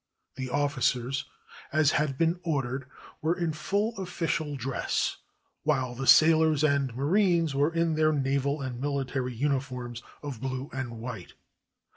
The officers, as had been ordered, were in full official dress, while the sailors and marines were in their naval and mihtary uniforms of blue and white.